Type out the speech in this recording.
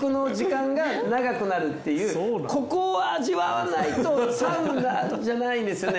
ここを味わわないとサウナじゃないんですよね。